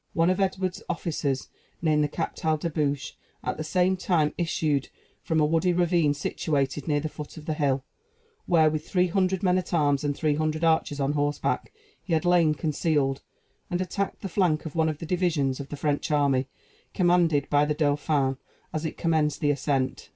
One of Edward's officers, named the Captal de Buch, at the same time issued from a woody ravine situated near the foot of the hill, where, with three hundred men at arms and three hundred archers on horseback, he had lain concealed, and attacked the flank of one of the divisions of the French army, commanded by the Dauphin, as it commenced the ascent.